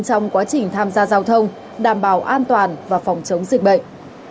trong quá trình tham gia giao thông đảm bảo an toàn và phòng chống dịch bệnh